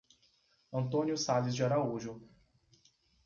Antônio Sales de Araújo